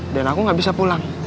dan aku gak bisa pulang